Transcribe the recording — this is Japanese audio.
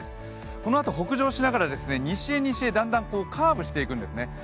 このあと北上しながら西へ西へカーブしていくんですね。